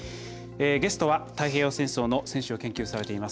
ゲストは太平洋戦争の戦史を研究されています